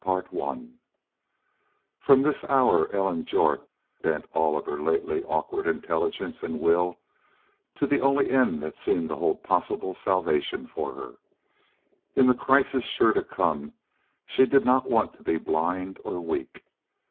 CHAPTER VI From this hour Ellen Jorth bent all of her lately awakened intelligence and will to the only end that seemed to hold possible salvation for her. In the crisis sure to come she did not want to be blind or weak.